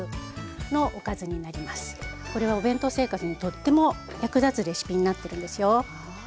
これはお弁当生活にとっても役立つレシピになってるんですよ。